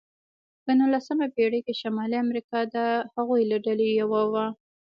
په نوولسمه پېړۍ کې شمالي امریکا د هغوی له ډلې یوه وه.